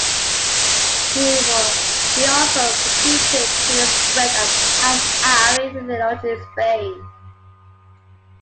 He also contributed to the spread of Ash'ari theology in Spain.